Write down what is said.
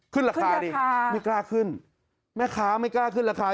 ขึ้นราคาดิไม่กล้าขึ้นแม่ค้าไม่กล้าขึ้นราคา